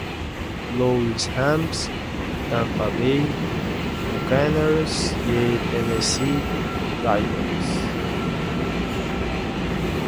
Louis Rams, Tampa Bay Buccaneers y Tennessee Titans.